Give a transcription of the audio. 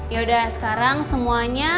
yaudah sekarang semuanya